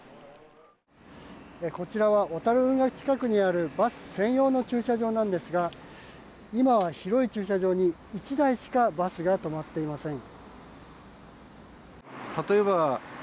こちらは小樽運河近くにあるバス専用の駐車場ですが今は広い駐車場に１台しかバスが止まっていません。